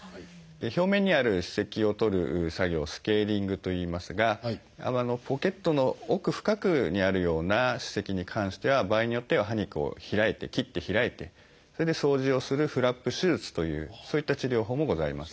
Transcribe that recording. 表面にある歯石を取る作業をスケーリングといいますがポケットの奥深くにあるような歯石に関しては場合によっては歯肉を開いて切って開いてそれで掃除をするフラップ手術というそういった治療法もございます。